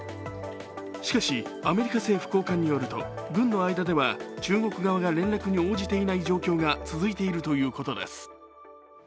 しかし、アメリカ政府高官によると軍の間では中国側が連絡に応じていない状況が続いているということです。